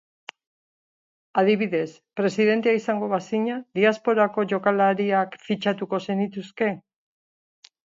Adibidez, presidentea izango bazina, diasporako jokalariak fitxatuko zenituzke?